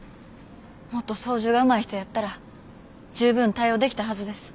もっと操縦がうまい人やったら十分対応できたはずです。